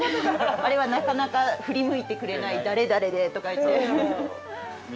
「あれはなかなか振り向いてくれない誰々で」とか言って。